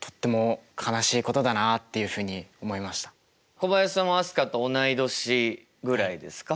小林さんは飛鳥と同い年ぐらいですか？